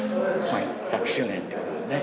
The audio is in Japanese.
１００周年ということでね。